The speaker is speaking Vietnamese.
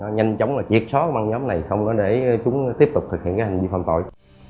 nhanh chóng là triệt sóng băng nhóm này không để chúng tiếp tục thực hiện hành vi phạm tội